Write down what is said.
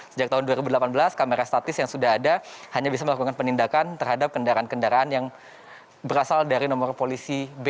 sejak tahun dua ribu delapan belas kamera statis yang sudah ada hanya bisa melakukan penindakan terhadap kendaraan kendaraan yang berasal dari nomor polisi b